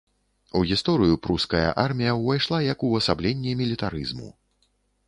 У гісторыю пруская армія ўвайшла як увасабленне мілітарызму.